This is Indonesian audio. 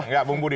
enggak bung budi